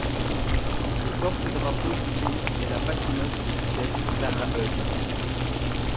Le porte-drapeau du pays est la patineuse de vitesse Clara Hughes.